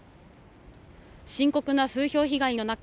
深刻な風評被害の中